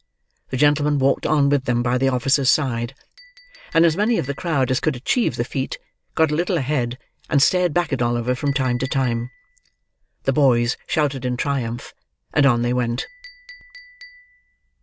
The gentleman walked on with them by the officer's side; and as many of the crowd as could achieve the feat, got a little ahead, and stared back at Oliver from time to time. The boys shouted in triumph; and on they went.